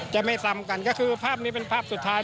จะไม่ซ้ำกันก็คือภาพนี้เป็นภาพสุดท้าย